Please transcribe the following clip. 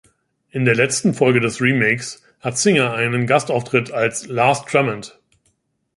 In der letzten Folge des Remakes hat Singer einen Gastauftritt als "Lars Tremont".